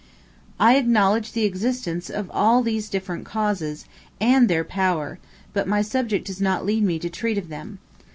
I acknowledge the existence of all these different causes, and their power, but my subject does not lead me to treat of them.